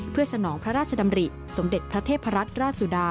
เพื่อสนองพระราชดำริสมเด็จพระเทพรัตนราชสุดา